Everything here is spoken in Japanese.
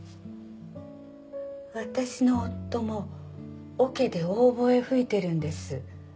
私の夫もオケでオーボエ吹いてるんです。